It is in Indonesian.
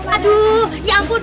aduh ya ampun